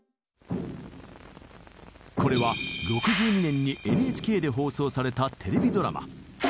これは６２年にＮＨＫで放送されたテレビドラマ。